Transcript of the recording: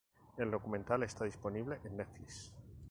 El documental está disponible en Netflix.